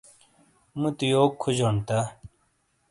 مُوتی یوک کھوجون تا ؟